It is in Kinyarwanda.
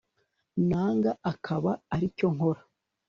nanga akaba ari cyo nkora